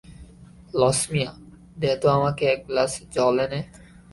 লছমিয়া, দে তো আমাকে এক গ্লাস জল এনে।